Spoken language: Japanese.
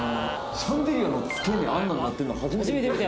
シャンデリアの付け根あんなんなってんの初めて見た。